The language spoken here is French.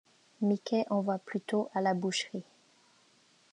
Mickey envoie Pluto à la boucherie.